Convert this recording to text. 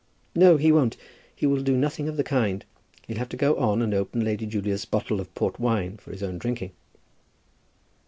"No, he won't. He will do nothing of the kind. He'll have to go on and open Lady Julia's bottle of port wine for his own drinking."